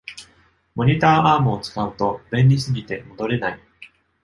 モニターアームを使うと便利すぎて戻れない